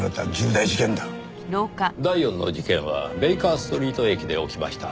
第四の事件はベイカーストリート駅で起きました。